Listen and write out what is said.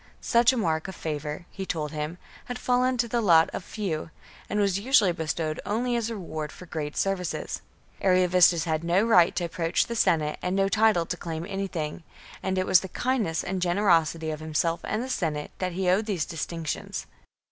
Such a mark of favour, he told him, had fallen to the lot of few, and was usually bestowed only as a reward for great ser vices. Ariovistus had no right to approach the Senate and no title to claim anything ; and it was to the kindness and generosity of himself and the Senate that he owed these distinc tions.